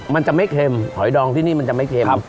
มันจะไม่เค็มหอยดองที่นี่มันจะไม่เค็ม